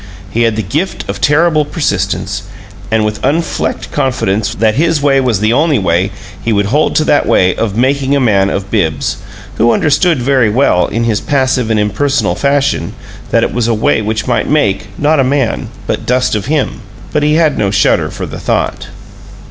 He had the gift of terrible persistence, and with unflecked confidence that his way was the only way he would hold to that way of "making a man" of Bibbs, who understood very well, in his passive and impersonal fashion, that it was a way which might make, not a man, but dust of him. But he had no shudder for the thought.